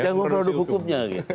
yang memproduk hukumnya gitu